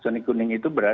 zonek kuning kita juga ada